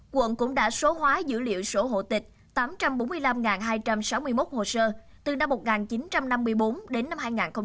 quận cũng đã số hóa dữ liệu số hộ tịch tám trăm bốn mươi năm hai trăm sáu mươi một hồ sơ từ năm một nghìn chín trăm năm mươi bốn đến năm hai nghìn một mươi